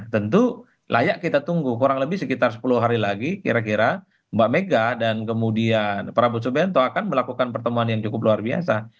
tentu layak kita tunggu kurang lebih sekitar sepuluh hari lagi kira kira mbak mega dan kemudian prabowo subianto akan melakukan pertemuan yang cukup luar biasa